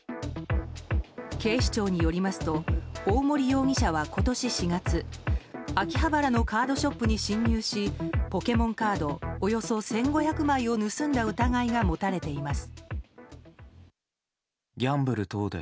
警視庁によりますと大森容疑者は今年４月秋葉原のカードショップに侵入しポケモンカードおよそ１５００枚を盗んだ疑いが持たれています。